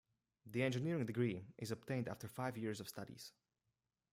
The Engineering degree is obtained after five years of studies.